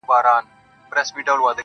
خداى نه چي زه خواست كوم نو دغـــه وي.